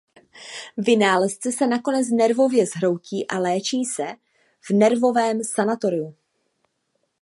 Vynálezce se nakonec nervově zhroutí a léčí se v nervovém sanatoriu.